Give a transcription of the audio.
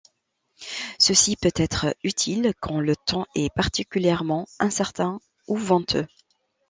Ceci peut être utile quand le temps est particulièrement incertain ou venteux.